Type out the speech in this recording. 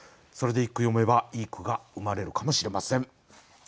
それで一句詠めばいい句が生まれるかもしれません。